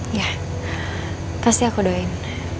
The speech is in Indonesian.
iya pasti aku doain